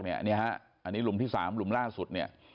นี้ครับและนี้ลุ่มที่สามลุ่มล่าสุด